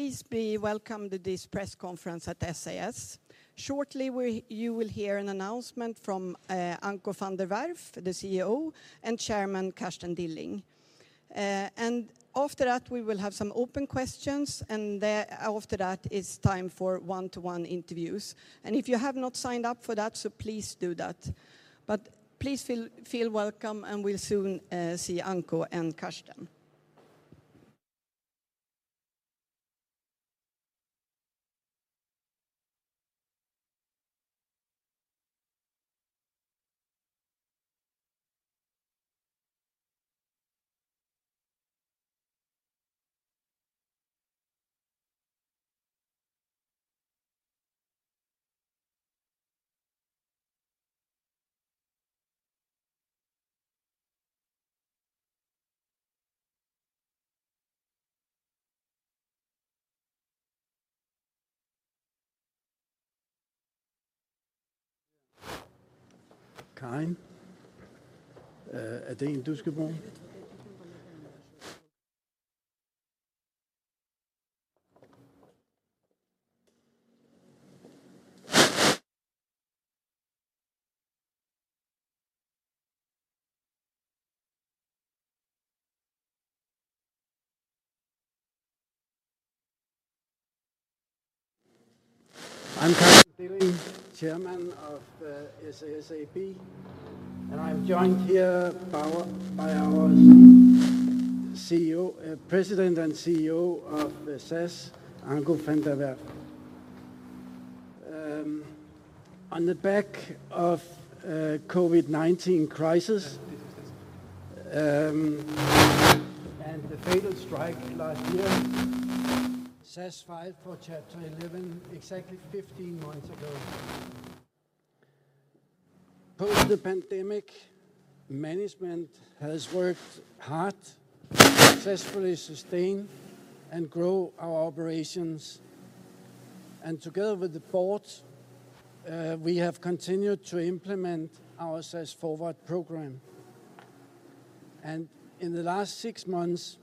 Please be welcome to this press conference at SAS. Shortly, you will hear an announcement from Anko van der Werff, the CEO, and Chairman Carsten Dilling. And after that, we will have some open questions, and then after that, it's time for one-to-one interviews. And if you have not signed up for that, so please do that. But please feel welcome, and we'll soon see Anko and Carsten. Karin, is that you who should begin? I'm Carsten Dilling, Chairman of SAS AB, and I'm joined here by our CEO, President and CEO of SAS, Anko van der Werff. On the back of COVID-19 crisis, and the fatal strike last year, SAS filed for Chapter 11 exactly 15 months ago. Post the pandemic, management has worked hard to successfully sustain and grow our operations, and together with the board, we have continued to implement our SAS Forward program. In the last six months,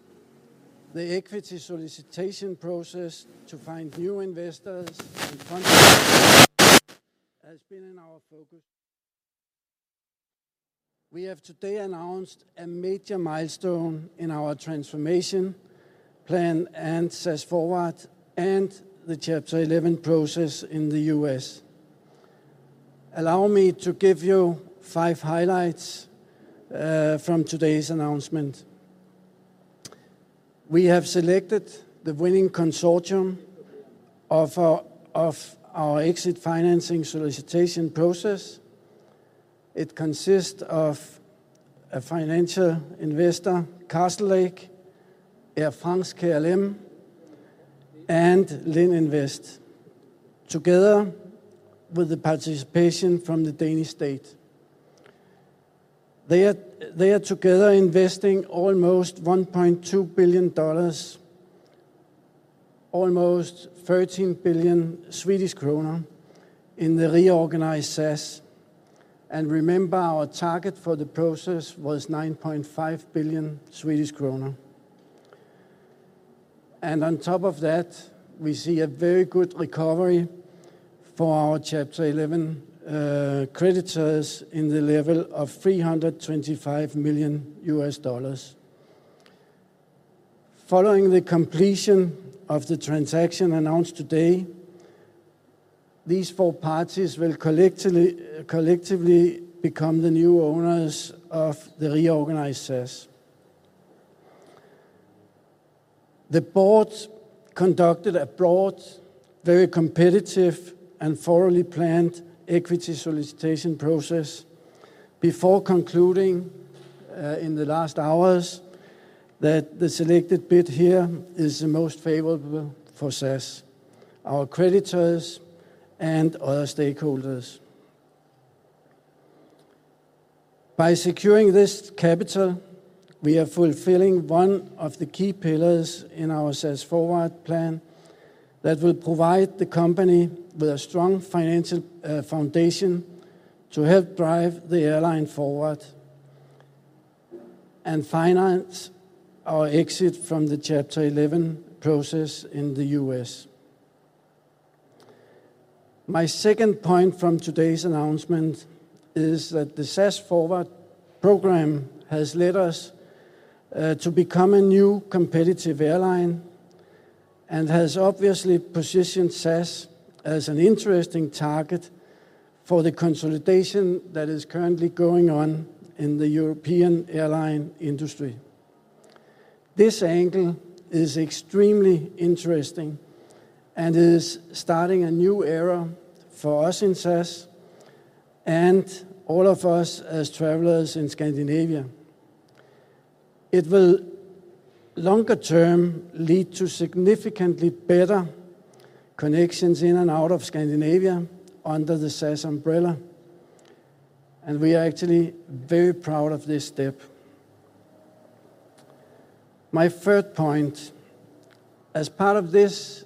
the equity solicitation process to find new investors and partners has been in our focus. We have today announced a major milestone in our transformation plan and SAS Forward and the Chapter 11 process in the U.S. Allow me to give you five highlights from today's announcement. We have selected the winning consortium of our, of our exit financing solicitation process. It consists of a financial investor, Castlelake, Air France-KLM, and Lind Invest, together with the participation from the Danish state. They are, they are together investing almost $1.2 billion, almost SEK 13 billion, in the reorganized SAS, and remember, our target for the process was 9.5 billion Swedish kronor. And on top of that, we see a very good recovery for our Chapter 11 creditors in the level of $325 million. Following the completion of the transaction announced today, these four parties will collectively, collectively become the new owners of the reorganized SAS. The board conducted a broad, very competitive, and thoroughly planned equity solicitation process before concluding in the last hours that the selected bid here is the most favorable for SAS, our creditors, and other stakeholders. By securing this capital, we are fulfilling one of the key pillars in our SAS Forward plan that will provide the company with a strong financial foundation to help drive the airline forward and finance our exit from the Chapter 11 process in the U.S. My second point from today's announcement is that the SAS Forward program has led us to become a new competitive airline and has obviously positioned SAS as an interesting target for the consolidation that is currently going on in the European airline industry. This angle is extremely interesting and is starting a new era for us in SAS and all of us as travelers in Scandinavia. It will longer term lead to significantly better connections in and out of Scandinavia under the SAS umbrella, and we are actually very proud of this step. My third point, as part of this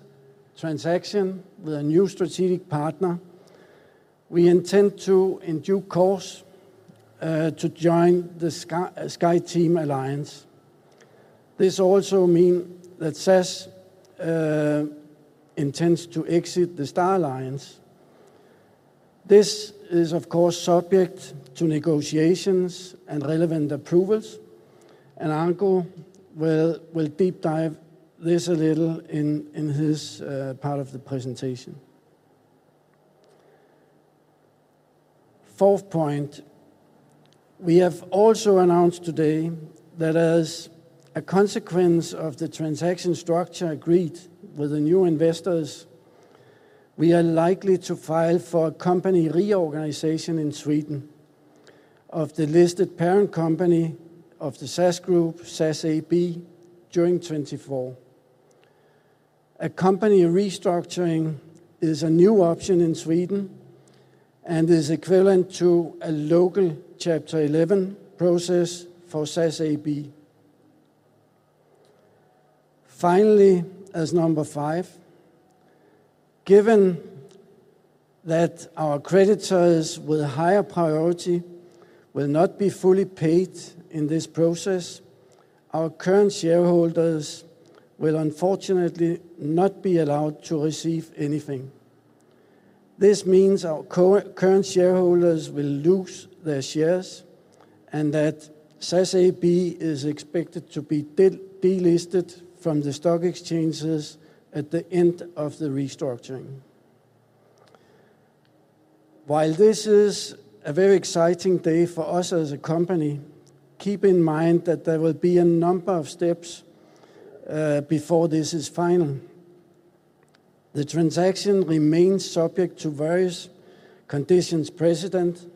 transaction with a new strategic partner. We intend to, in due course, to join the SkyTeam Alliance. This also mean that SAS intends to exit the Star Alliance. This is, of course, subject to negotiations and relevant approvals, and Anko will deep dive this a little in his part of the presentation. Fourth point, we have also announced today that as a consequence of the transaction structure agreed with the new investors, we are likely to file for a company reorganization in Sweden of the listed parent company of the SAS Group, SAS AB, during 2024. A company restructuring is a new option in Sweden and is equivalent to a local Chapter 11 process for SAS AB. Finally, as number five, given that our creditors with a higher priority will not be fully paid in this process, our current shareholders will unfortunately not be allowed to receive anything. This means our current shareholders will lose their shares and that SAS AB is expected to be delisted from the stock exchanges at the end of the restructuring. While this is a very exciting day for us as a company, keep in mind that there will be a number of steps, before this is final. The transaction remains subject to various conditions precedent,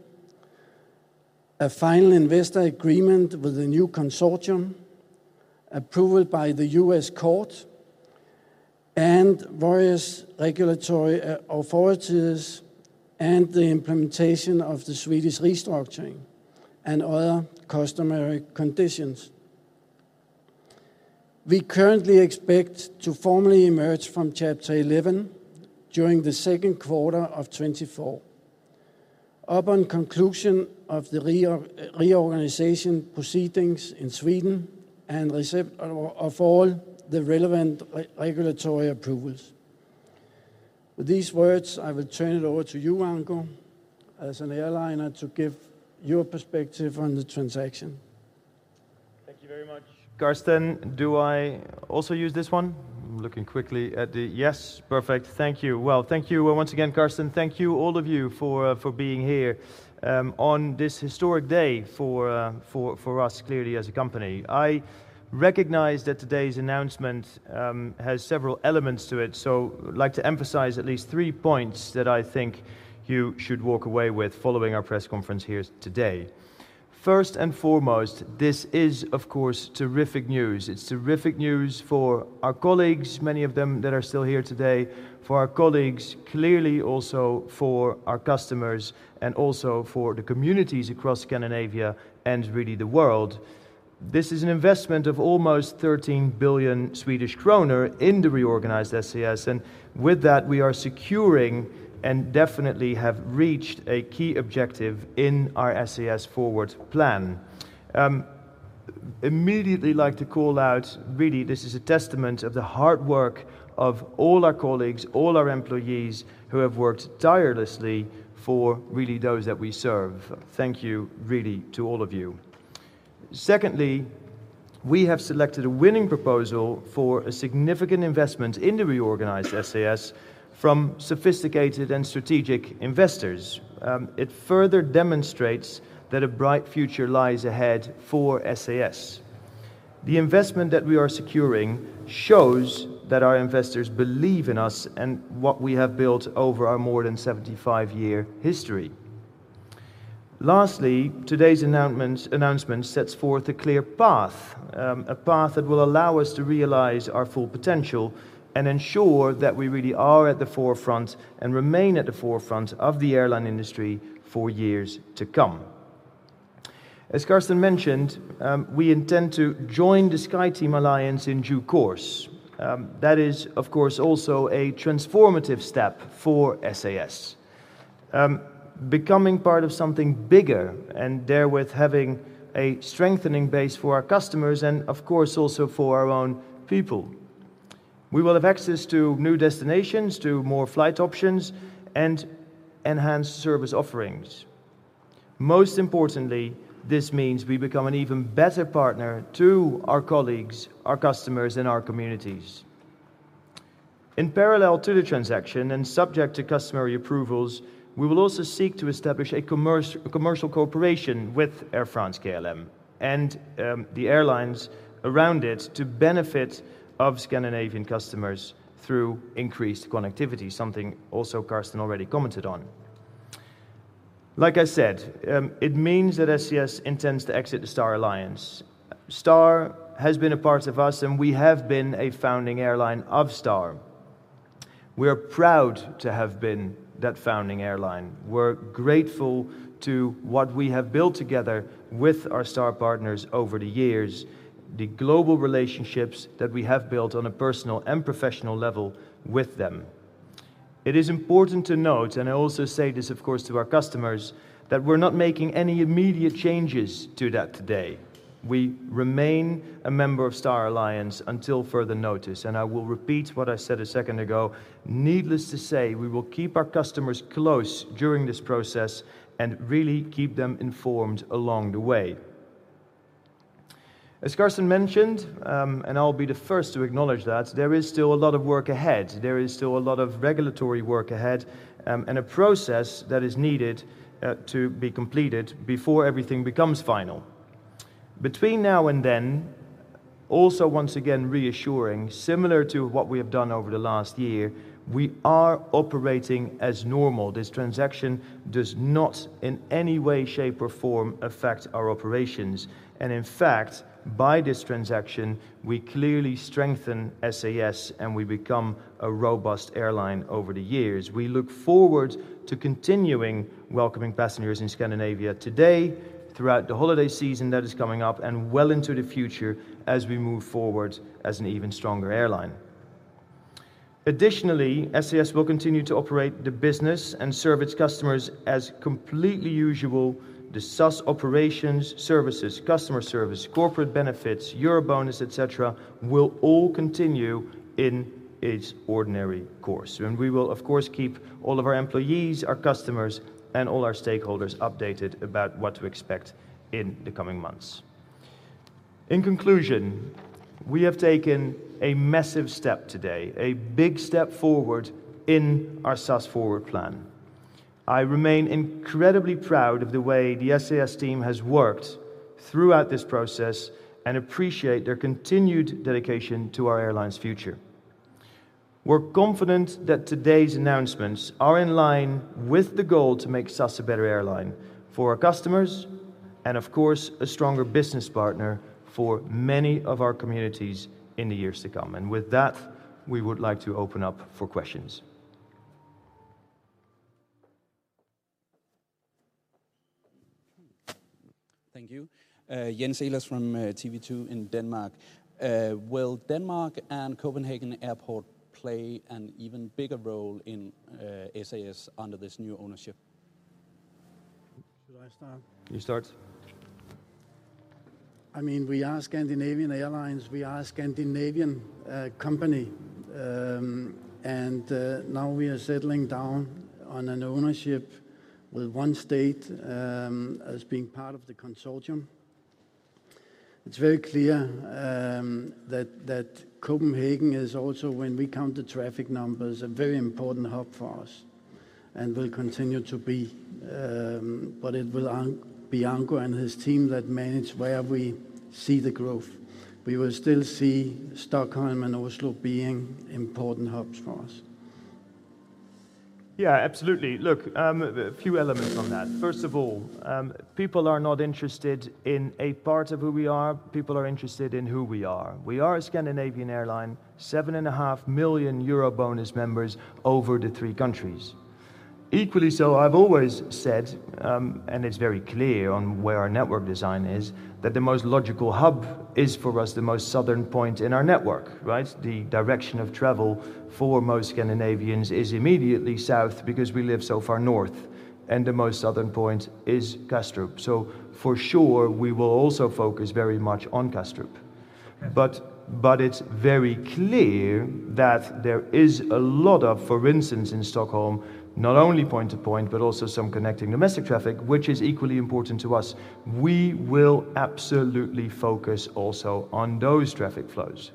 a final investor agreement with the new consortium, approval by the U.S. court, and various regulatory authorities, and the implementation of the Swedish restructuring, and other customary conditions. We currently expect to formally emerge from Chapter 11 during the second quarter of 2024, upon conclusion of the reorganization proceedings in Sweden and receipt of all the relevant regulatory approvals. With these words, I will turn it over to you, Anko, as an airline, to give your perspective on the transaction. Thank you very much, Carsten. Do I also use this one? I'm looking quickly at the... Yes, perfect. Thank you. Well, thank you once again, Carsten. Thank you, all of you, for being here on this historic day for us, clearly, as a company. I recognize that today's announcement has several elements to it, so I would like to emphasize at least three points that I think you should walk away with following our press conference here today. First and foremost, this is, of course, terrific news. It's terrific news for our colleagues, many of them that are still here today, for our colleagues, clearly also for our customers, and also for the communities across Scandinavia and really the world. This is an investment of almost 13 billion Swedish kronor in the reorganized SAS, and with that, we are securing and definitely have reached a key objective in our SAS Forward plan. Immediately like to call out, really, this is a testament of the hard work of all our colleagues, all our employees, who have worked tirelessly for really those that we serve. Thank you, really, to all of you. Secondly, we have selected a winning proposal for a significant investment in the reorganized SAS from sophisticated and strategic investors. It further demonstrates that a bright future lies ahead for SAS. The investment that we are securing shows that our investors believe in us and what we have built over our more than 75-year history. Lastly, today's announcement sets forth a clear path, a path that will allow us to realize our full potential and ensure that we really are at the forefront and remain at the forefront of the airline industry for years to come. As Carsten mentioned, we intend to join the SkyTeam Alliance in due course. That is, of course, also a transformative step for SAS. Becoming part of something bigger and therewith having a strengthening base for our customers and, of course, also for our own people. We will have access to new destinations, to more flight options, and enhanced service offerings. Most importantly, this means we become an even better partner to our colleagues, our customers, and our communities. In parallel to the transaction, and subject to customary approvals, we will also seek to establish a commercial cooperation with Air France-KLM and the airlines around it to benefit of Scandinavian customers through increased connectivity, something also Carsten already commented on. Like I said, it means that SAS intends to exit the Star Alliance. Star has been a part of us, and we have been a founding airline of Star. We are proud to have been that founding airline. We're grateful to what we have built together with our Star partners over the years, the global relationships that we have built on a personal and professional level with them. It is important to note, and I also say this, of course, to our customers, that we're not making any immediate changes to that today. We remain a member of Star Alliance until further notice, and I will repeat what I said a second ago. Needless to say, we will keep our customers close during this process and really keep them informed along the way. As Carsten mentioned, and I'll be the first to acknowledge that, there is still a lot of work ahead. There is still a lot of regulatory work ahead, and a process that is needed to be completed before everything becomes final. Between now and then, also, once again reassuring, similar to what we have done over the last year, we are operating as normal. This transaction does not in any way, shape, or form affect our operations, and in fact, by this transaction, we clearly strengthen SAS, and we become a robust airline over the years. We look forward to continuing welcoming passengers in Scandinavia today, throughout the holiday season that is coming up, and well into the future as we move forward as an even stronger airline. Additionally, SAS will continue to operate the business and serve its customers as completely usual. The SAS operations, services, customer service, corporate benefits, EuroBonus, et cetera, will all continue in its ordinary course. We will, of course, keep all of our employees, our customers, and all our stakeholders updated about what to expect in the coming months. In conclusion, we have taken a massive step today, a big step forward in our SAS Forward plan. I remain incredibly proud of the way the SAS team has worked throughout this process and appreciate their continued dedication to our airline's future. We're confident that today's announcements are in line with the goal to make SAS a better airline for our customers and, of course, a stronger business partner for many of our communities in the years to come. With that, we would like to open up for questions. Thank you. Jens Eilersen from TV2 in Denmark. Will Denmark and Copenhagen Airport play an even bigger role in SAS under this new ownership? Should I start? You start. I mean, we are Scandinavian Airlines. We are a Scandinavian company. Now we are settling down on an ownership with one state as being part of the consortium. It's very clear that Copenhagen is also, when we count the traffic numbers, a very important hub for us and will continue to be. But it will be Anko and his team that manage where we see the growth. We will still see Stockholm and Oslo being important hubs for us. Yeah, absolutely. Look, a few elements on that. First of all, people are not interested in a part of who we are. People are interested in who we are. We are a Scandinavian airline, 7.5 million EuroBonus members over the three countries. Equally so, I've always said, and it's very clear on where our network design is, that the most logical hub is, for us, the most southern point in our network, right? The direction of travel for most Scandinavians is immediately south because we live so far north, and the most southern point is Kastrup. So for sure, we will also focus very much on Kastrup. Okay. But it's very clear that there is a lot of, for instance, in Stockholm, not only point to point, but also some connecting domestic traffic, which is equally important to us. We will absolutely focus also on those traffic flows.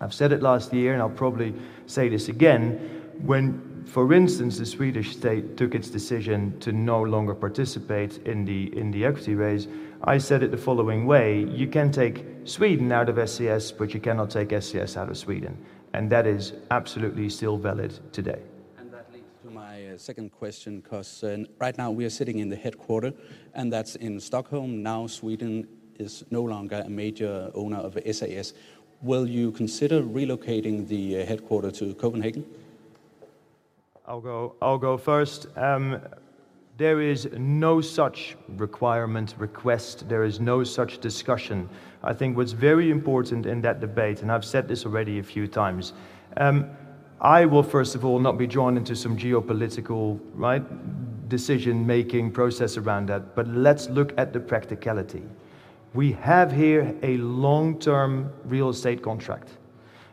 I've said it last year, and I'll probably say this again, when, for instance, the Swedish state took its decision to no longer participate in the, in the equity raise, I said it the following way: "You can take Sweden out of SAS, but you cannot take SAS out of Sweden," and that is absolutely still valid today. And that leads to my second question, 'cause right now we are sitting in the headquarters, and that's in Stockholm. Now, Sweden is no longer a major owner of SAS. Will you consider relocating the headquarters to Copenhagen? I'll go, I'll go first. There is no such requirement, request. There is no such discussion. I think what's very important in that debate, and I've said this already a few times, I will, first of all, not be drawn into some geopolitical, right, decision-making process around that, but let's look at the practicality. We have here a long-term real estate contract.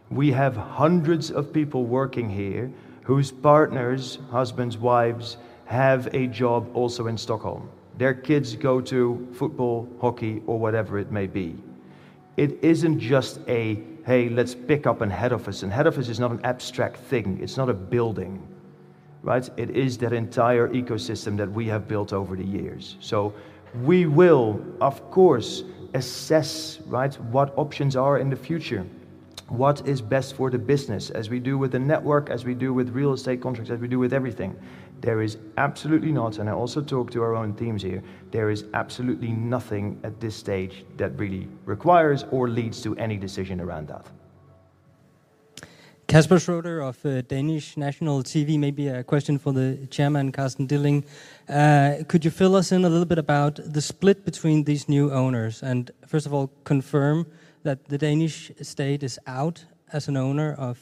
We have hundreds of people working here whose partners, husbands, wives, have a job also in Stockholm. Their kids go to football, hockey, or whatever it may be. It isn't just a, "Hey, let's pick up and head office," and head office is not an abstract thing. It's not a building, right? It is that entire ecosystem that we have built over the years. We will, of course, assess, right, what options are in the future, what is best for the business, as we do with the network, as we do with real estate contracts, as we do with everything. There is absolutely not, and I also talk to our own teams here, there is absolutely nothing at this stage that really requires or leads to any decision around that. Casper Schrøder of Danish National TV. Maybe a question for the chairman, Carsten Dilling. Could you fill us in a little bit about the split between these new owners, and first of all, confirm that the Danish state is out as an owner of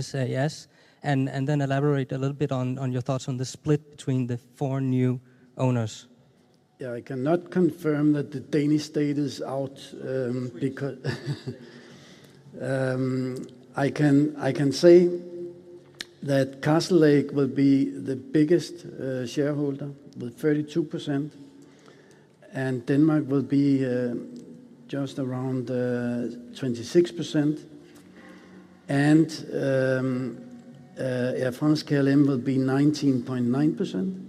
SAS? And then elaborate a little bit on your thoughts on the split between the four new owners. Yeah, I cannot confirm that the Danish state is out, because I can say that Castlelake will be the biggest shareholder with 32%, and Denmark will be just around 26%, and Air France KLM will be 19.9%,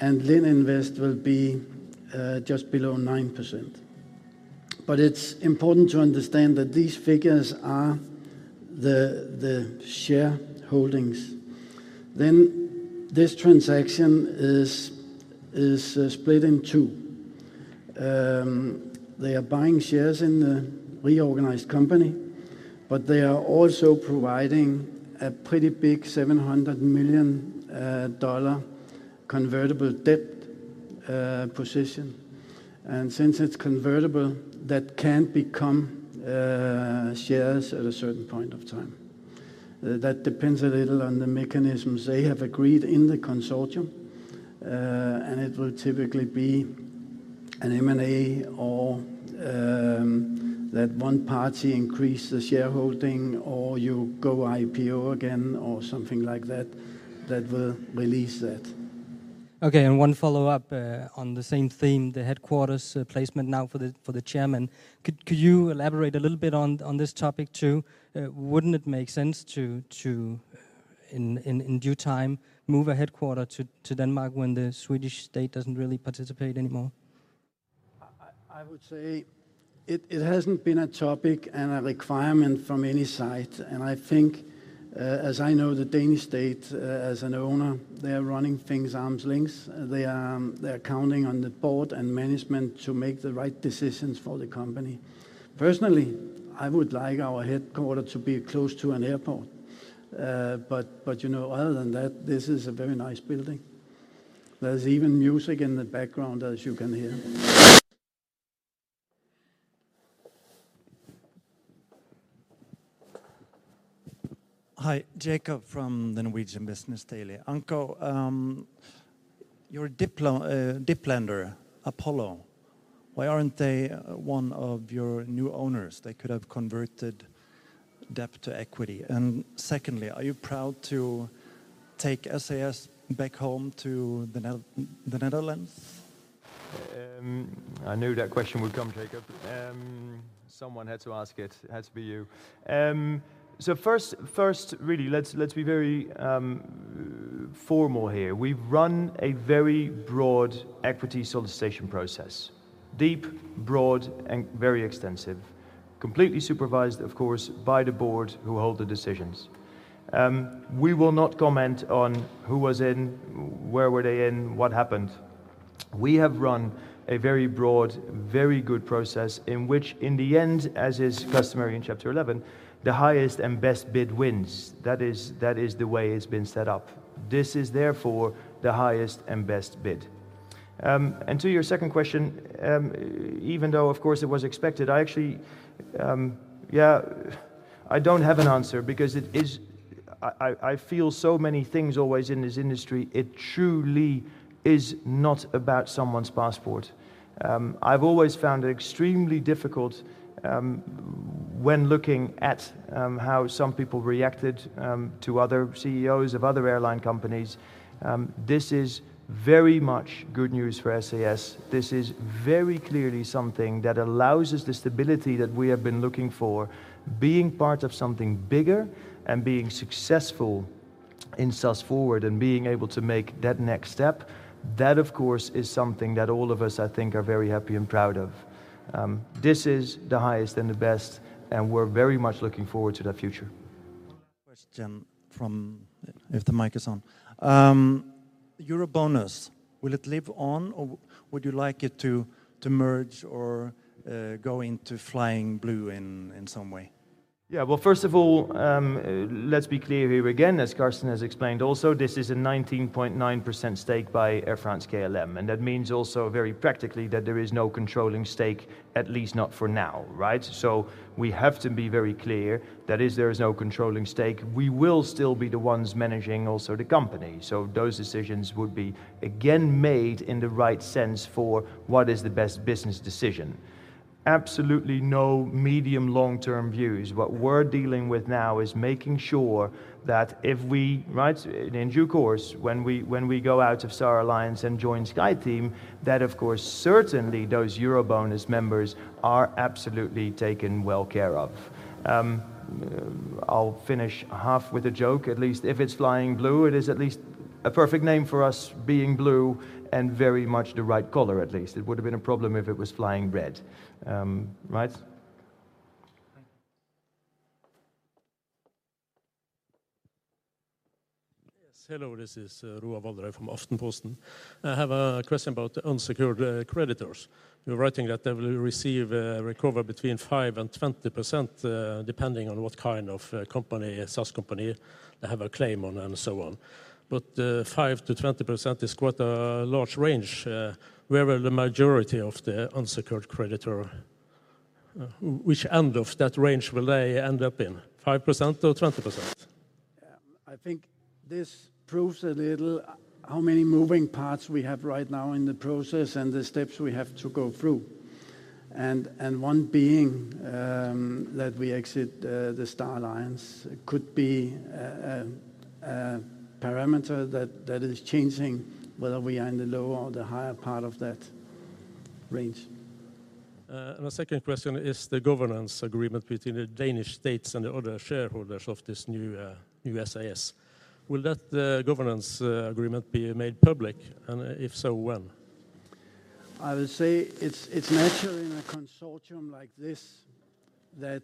and Lind Invest will be just below 9%. But it's important to understand that these figures are the shareholdings. Then this transaction is split in two. They are buying shares in the reorganized company, but they are also providing a pretty big $700 million convertible debt position. And since it's convertible, that can become shares at a certain point of time. That depends a little on the mechanisms they have agreed in the consortium, and it will typically be an M&A or, that one party increase the shareholding, or you go IPO again or something like that, that will release that. Okay, and one follow-up on the same theme, the headquarters placement now for the chairman. Could you elaborate a little bit on this topic, too? Wouldn't it make sense to, in due time, move a headquarter to Denmark when the Swedish state doesn't really participate anymore? I would say it hasn't been a topic and a requirement from any side, and I think, as I know, the Danish state, as an owner, they are running things arm's length. They are, they're counting on the board and management to make the right decisions for the company. Personally, I would like our headquarters to be close to an airport. But you know, other than that, this is a very nice building. There's even music in the background, as you can hear. Hi, Jacob from the Norwegian Business Daily. Anko, your DIP lender, Apollo, why aren't they one of your new owners? They could have converted debt to equity. And secondly, are you proud to take SAS back home to the Netherlands? I knew that question would come, Jacob. Someone had to ask it. It had to be you. So first, really, let's be very formal here. We've run a very broad equity solicitation process. Deep, broad, and very extensive. Completely supervised, of course, by the board who hold the decisions. We will not comment on who was in, where were they in, what happened. We have run a very broad, very good process in which in the end, as is customary in Chapter 11, the highest and best bid wins. That is the way it's been set up. This is therefore the highest and best bid. And to your second question, even though of course it was expected, I actually, I don't have an answer because it is I feel so many things always in this industry. It truly is not about someone's passport. I've always found it extremely difficult, when looking at, how some people reacted, to other CEOs of other airline companies. This is very much good news for SAS. This is very clearly something that allows us the stability that we have been looking for, being part of something bigger and being successful in SAS Forward and being able to make that next step. That, of course, is something that all of us, I think, are very happy and proud of. This is the highest and the best, and we're very much looking forward to that future. Question from... If the mic is on. EuroBonus, will it live on, or would you like it to merge or go into Flying Blue in some way? Yeah, well, first of all, let's be clear here again, as Carsten has explained also, this is a 19.9% stake by Air France-KLM, and that means also very practically that there is no controlling stake, at least not for now, right? So we have to be very clear that if there is no controlling stake, we will still be the ones managing also the company. So those decisions would be again made in the right sense for what is the best business decision. Absolutely no medium long-term views. What we're dealing with now is making sure that if we, right, in due course, when we, when we go out of Star Alliance and join SkyTeam, that of course, certainly those EuroBonus members are absolutely taken well care of. I'll finish half with a joke, at least if it's Flying Blue, it is at least a perfect name for us being blue and very much the right color, at least. It would have been a problem if it was Flying Red. Right? Thank you. Yes, hello, this is Roar Valderhaug from Aftenposten. I have a question about the unsecured creditors. You're writing that they will receive a recovery between 5% and 20%, depending on what kind of company, SAS company they have a claim on and so on. But, five to 20% is quite a large range. Where are the majority of the unsecured creditors? Which end of that range will they end up in, 5% or 20%? I think this proves a little how many moving parts we have right now in the process and the steps we have to go through. And one being that we exit the Star Alliance could be a parameter that is changing whether we are in the lower or the higher part of that range. My second question is the governance agreement between the Danish state and the other shareholders of this new SAS. Will that governance agreement be made public, and if so, when? I would say it's natural in a consortium like this that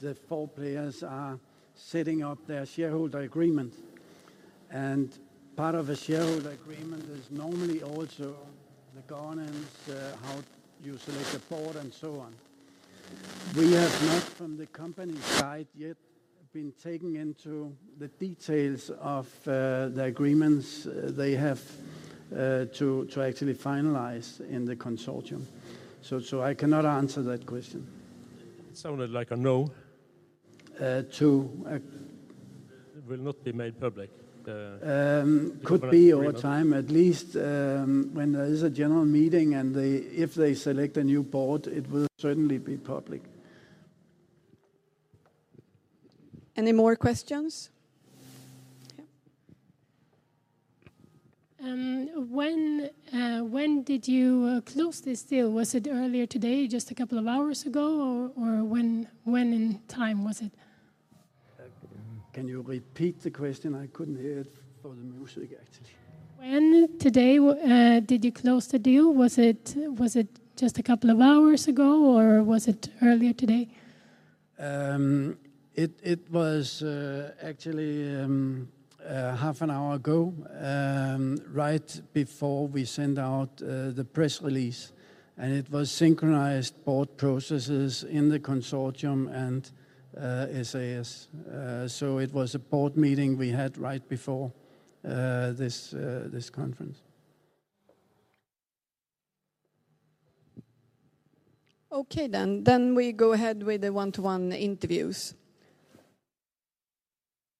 the four players are setting up their shareholder agreement. Part of a shareholder agreement is normally also the governance, how you select the board, and so on. We have not, from the company side yet, been taken into the details of the agreements they have to actually finalize in the consortium, so I cannot answer that question. It sounded like a no. Uh, to? Uh- Will not be made public, the governance agreement. Could be over time, at least, when there is a general meeting and they—if they select a new board, it will certainly be public. Any more questions? Yeah. When did you close this deal? Was it earlier today, just a couple of hours ago, or when in time was it? Can you repeat the question? I couldn't hear it for the music, actually. When today did you close the deal? Was it just a couple of hours ago, or was it earlier today? It was actually half an hour ago, right before we sent out the press release, and it was synchronized board processes in the consortium and SAS. So it was a board meeting we had right before this conference. Okay, then. Then we go ahead with the one-to-one interviews.